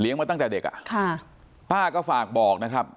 เลี้ยงมาตั้งแต่เด็กอ่ะป้าก็ฝากบอกนะครับ